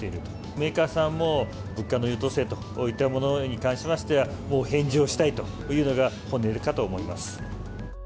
メーカーさんも、物価の優等生といったものに関しては、もう返上したいというのが本音かと思います。